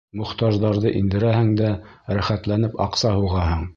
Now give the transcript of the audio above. Мохтаждарҙы индерәһең дә рәхәтләнеп аҡса һуғаһың.